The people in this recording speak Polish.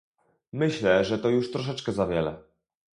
Myślę, że to już troszeczkę za wiele